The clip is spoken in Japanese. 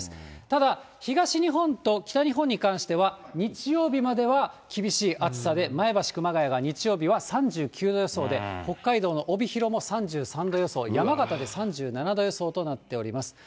ただ東日本と北日本に関しては、日曜日までは厳しい暑さで、前橋、熊谷が日曜日は３９度予想で、北海道の帯広も３３度予想、山形で３７度予想となっています。